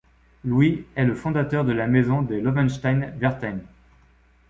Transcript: Louis est le fondateur de la maison de Löwenstein-Wertheim.